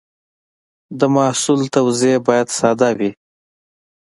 د محصول توضیح باید ساده وي.